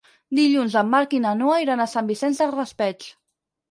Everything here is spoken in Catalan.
Dilluns en Marc i na Noa iran a Sant Vicent del Raspeig.